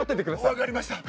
分かりました。